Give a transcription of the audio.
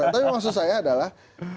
tapi maksud saya adalah